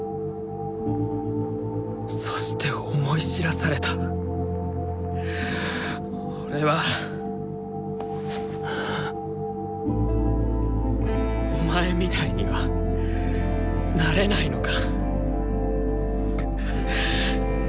そして思い知らされた俺はお前みたいにはなれないのか。